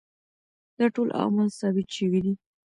دا ټول اعمال ثابت شوي دي.